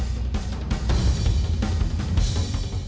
ada saksinya lagi om roy